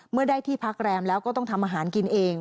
เมื่อได้ที่พักแรมแล้วก็ต้องทำอาหารกินเอง